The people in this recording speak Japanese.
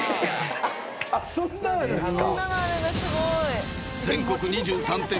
そんなんあるんすか。